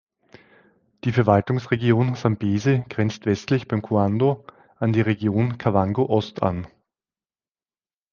Die Verwaltungsregion Sambesi grenzt westlich beim Cuando an die Region Kavango-Ost an.